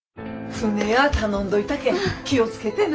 船や頼んどいたけん気を付けてな。